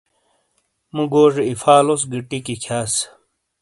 مُو گوجے اِیفالوس گی ٹِیکی کھِیاس۔